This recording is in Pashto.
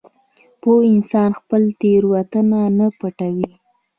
پوه انسان خپله تېروتنه نه پټوي.